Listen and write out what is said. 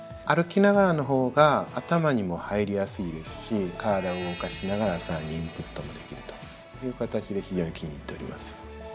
歩きながらの方が頭にも入りやすいですし体を動かしながらさらにインプットもできるという形で非常に気に入っております。